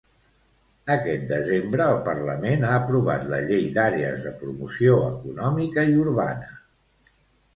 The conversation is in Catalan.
Aquest desembre, el Parlament ha aprovat la llei d'àrees de promoció econòmica i urbana.